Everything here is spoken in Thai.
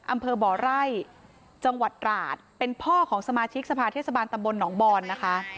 อำเภอบ่อไร่จังหวัดตราดเป็นพ่อของสมาชิกสภาเทศบาลตำบลหนองบอนนะคะ